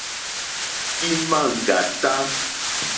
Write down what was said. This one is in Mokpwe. Ímá ŋɡàtá.